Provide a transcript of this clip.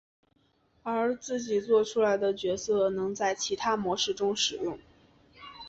而自己作出来的角色能在其他的模式中使用。